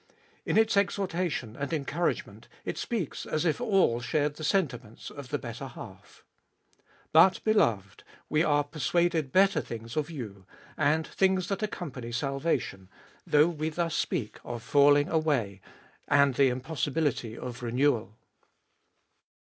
In its exhorta tion and encouragement it speaks as if all shared the sentiments of the better half. But, beloved, we are persuaded better things of you, and things that accompany salvation, though we thus speak of 1 Longsuffering. 212 abe Iboliest of ail falling away, and the impossibility of renewal.